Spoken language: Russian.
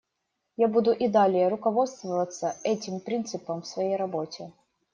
Я буду и далее руководствоваться этим принципом в своей работе.